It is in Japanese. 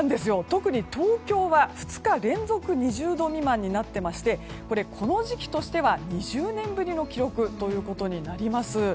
特に東京は２日連続２０度未満になっていましてこれ、この時期としては２０年ぶりの記録となります。